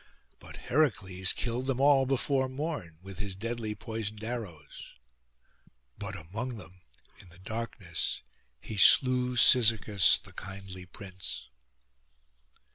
But Heracles killed them all before morn with his deadly poisoned arrows; but among them, in the darkness, he slew Cyzicus the kindly prince.